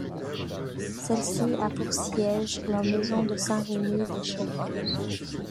Celle-ci a pour siège leur maison de Saint-Rémy-lès-Chevreuse.